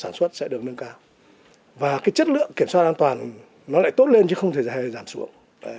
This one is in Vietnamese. sản xuất sẽ được nâng cao và cái chất lượng kiểm soát an toàn nó lại tốt lên chứ không thể giảm xuống